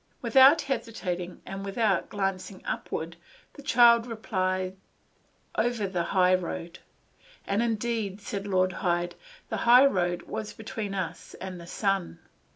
Without hesitating and without glancing upwards the child replied, "Over the high road." "And indeed," said Lord Hyde, "the high road was between us and the sun."